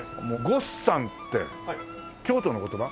「ごっさん」って京都の言葉？